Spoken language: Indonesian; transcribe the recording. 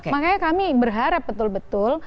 makanya kami berharap betul betul